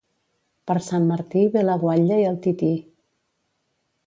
Per Sant Martí ve la guatlla i el tití.